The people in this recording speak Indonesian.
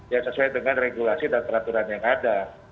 ya sesuai dengan regulasi dan peraturan yang ada